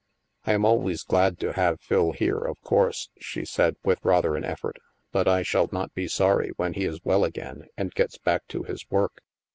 " I am always glad to have Phil here, of course," she said, with rather an effort. " But I shall not be sorry when he is well again and gets back to his work.